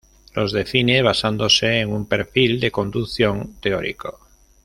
Los define basándose en un perfil de conducción teórico.